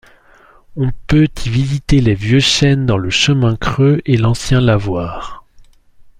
On peut y visiter les vieux chênes dans le chemin creux et l'ancien lavoir.